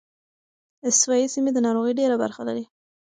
استوايي سیمې د ناروغۍ ډېره برخه لري.